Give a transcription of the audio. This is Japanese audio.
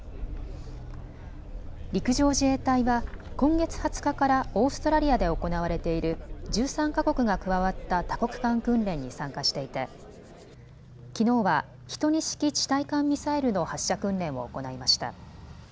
陸上自衛隊は今月２０日からオーストラリアで行われている１３か国が加わった多国間訓練に参加していてきのうは１２式地対艦ミサイルの発射訓練を行いました。